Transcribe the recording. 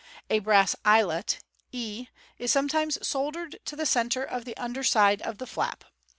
A brass eyelet, e, is sometimes soldered to the centre of the under side of the flap.